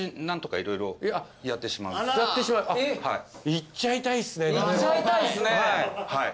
いっちゃいたいっすね。